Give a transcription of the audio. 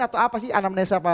atau apa sih anamnesa pak